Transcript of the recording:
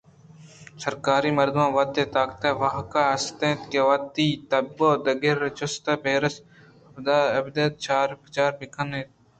سرکاری مردماں وت اے طاقت ءُواک است کہ وتی تب ءَ دگرے ءِ جست ءُپرس ءَ ابید چار ءُبچار بہ کن اَنت